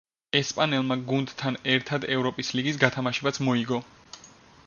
ესპანელმა გუნდთან ერთად ევროპის ლიგის გათამაშებაც მოიგო.